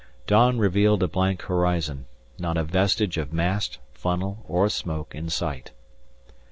Dawn revealed a blank horizon, not a vestige of mast, funnel or smoke in sight.